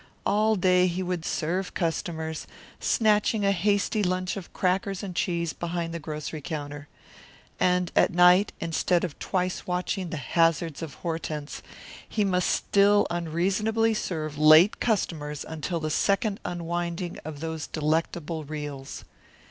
All day he would serve customers, snatching a hasty lunch of crackers and cheese behind the grocery counter. And at night, instead of twice watching The Hazards of Hortense, he must still unreasonably serve late customers until the second unwinding of those delectable reels.